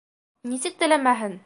Нисек теләмәһен?